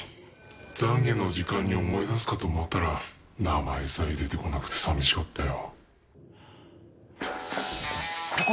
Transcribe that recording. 懺悔の時間に思い出すかと思ったら名前さえ出て来なくて寂しかったよ。